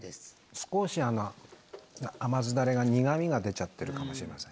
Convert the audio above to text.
少し、甘酢だれが苦みが出ちゃってるかもしれません。